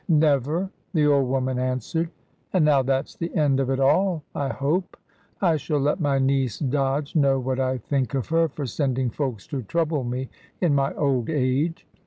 "Never," the old woman answered. "And now that's the end of it all, I hope. I shall let my niece, Dodge, know what I think of her for sending folks to trouble me in my old age.